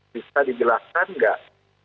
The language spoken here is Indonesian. bisa dijelaskan nggak